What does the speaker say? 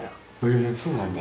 えそうなんだ！